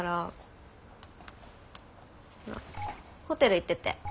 ホテル行ってて。